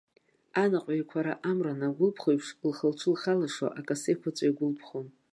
Анаҟә еиқәара амра анагәылԥхо еиԥш, лхы-лҿы лхалашо, акасы еиқәаҵәа иагәылԥхон.